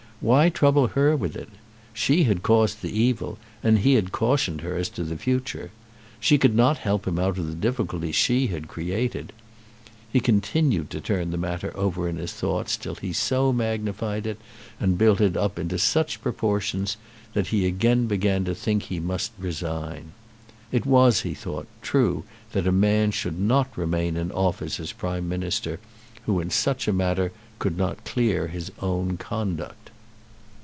Why trouble her with it? She had caused the evil, and he had cautioned her as to the future. She could not help him out of the difficulty she had created. He continued to turn the matter over in his thoughts till he so magnified it, and built it up into such proportions, that he again began to think that he must resign. It was, he thought, true that a man should not remain in office as Prime Minister who in such a matter could not clear his own conduct.